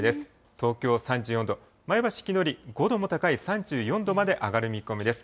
東京３４度、前橋、きのうより５度高い３４度まで上がる見込みです。